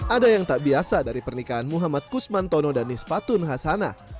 ada yang tak biasa dari pernikahan muhammad kusmantono dan nispatun hasana